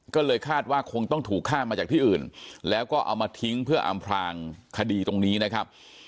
ก็เลยคาดว่าคงต้องถูกฆ่ามาจากที่อื่นแล้วก็เอามาทิ้งเพื่ออำพลางคดีตรงนี้นะครับ